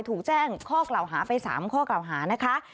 ถูกแจ้งข้อกล่าวหาไป๓ข้อกล่าวหานะคะ